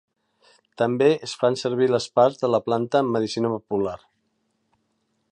També es fan servir les parts de la planta en medicina popular.